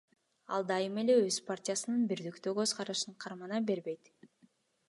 Ал дайым эле өз партиясынын бирдиктүү көз карашын кармана бербейт.